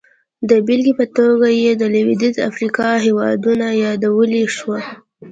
د بېلګې په توګه یې د لوېدیځې افریقا هېوادونه یادولی شو.